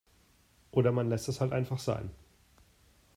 Oder man lässt es halt einfach sein.